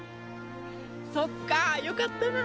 そっかよかったな！